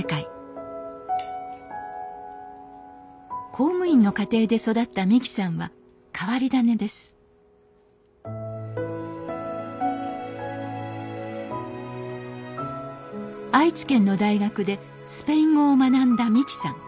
公務員の家庭で育った美紀さんは変わり種です愛知県の大学でスペイン語を学んだ美紀さん。